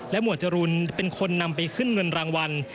หมวดจรูนเป็นคนนำไปขึ้นเงินรางวัล